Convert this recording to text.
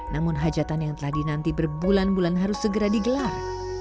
namun hajatan yang telah dinanti berbulan bulan harus segera digelar